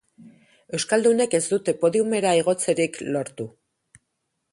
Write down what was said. Euskaldunek ez dute podiumera igotzerik lortu.